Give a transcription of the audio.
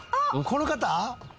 この方？